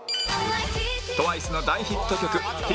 ＴＷＩＣＥ の大ヒット曲『ＴＴ』